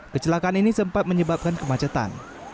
kecelakaan ini sempat menyebabkan kemacetan